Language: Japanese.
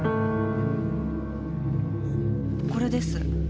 これです。